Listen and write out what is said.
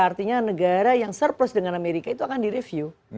artinya negara yang surplus dengan amerika itu akan direview